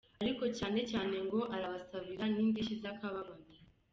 Ariko cyane cyane ngo arabasabira n’indishyi z’akababaro.